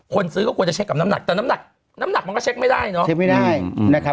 คนซื้อก็ควรจะเช็คกับน้ำหนักแต่น้ำหนักมันก็เช็คไม่ได้เนาะ